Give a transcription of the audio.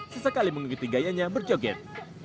sesekali mengikuti gayanya berjoget